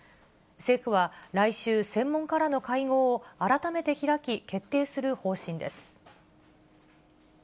政府は来週、専門家らの会合を改めて開き、決定する方針です。